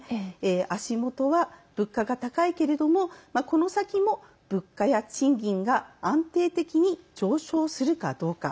足元は物価が高いけれどもこの先も、物価や賃金が安定的に上昇するかどうか。